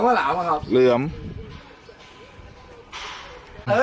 มันแม่อยู่เธอ